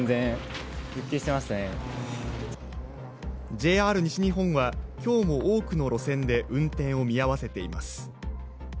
ＪＲ西日本は今日も多くの路線で運転を見合わせています。